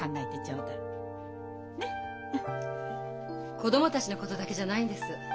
子供たちのことだけじゃないんです。